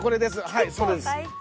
はいそうです。